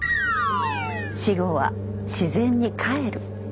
死後は自然に返る。